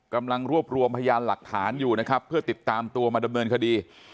กำลังรวบรวมพยานหลักฐานอยู่นะครับเพื่อติดตามตัวมาดำเนินคดี